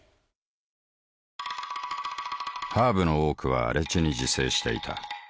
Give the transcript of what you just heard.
ハーブの多くは荒地に自生していた。